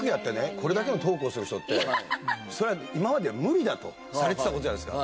これだけのトークをする人ってそれは今までは無理だとされてた事じゃないですか。